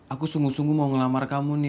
aku sungguh sungguh mau ngelamar kamu nih